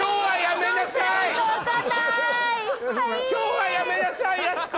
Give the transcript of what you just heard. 今日はやめなさいやす子！